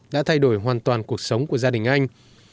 đã thay đổi hoàn toàn cuộc sống của gia đình anh